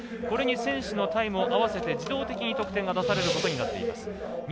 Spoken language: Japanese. これに選手のタイムを合わせて自動的に得点が出されることになっています。